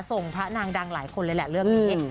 พระนางดังหลายคนเลยแหละเรื่องนี้